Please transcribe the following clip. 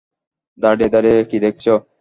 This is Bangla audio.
দাঁড়িয়ে দাঁড়িয়ে কী দেখছ?